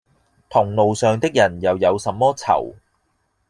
同路上的人又有什麼讎；